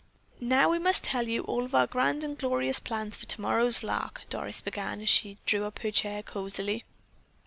"Now, we must tell you all of our grand and glorious plans for tomorrow's lark," Doris began as she drew her chair up cosily.